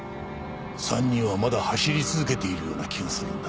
３人はまだ走り続けているような気がするんだ。